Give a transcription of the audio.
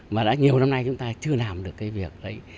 mà đã nhiều năm nay chúng ta chưa làm được cái việc đấy